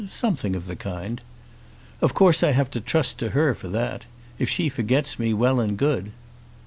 "Something of that kind." "Of course I have to trust to her for that. If she forgets me, well and good."